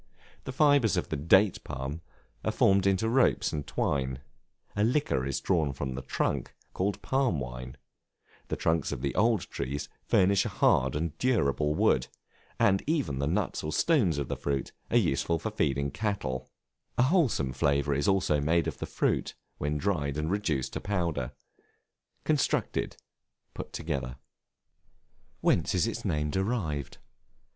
The fibres of the Date Palm are formed into ropes and twine; a liquor is drawn from the trunk, called palm wine; the trunks of the old trees furnish a hard and durable wood; and even the nuts or stones of the fruit are useful for feeding cattle; a wholesome flour is also made of the fruit, when dried and reduced to powder. Constructed, put together. Whence is its name derived?